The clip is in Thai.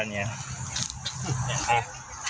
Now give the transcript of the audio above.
กินจงงางด้วยกัน